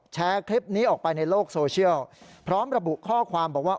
แชร์คลิปนี้ออกไปในโลกโซเชียลพร้อมระบุข้อความบอกว่า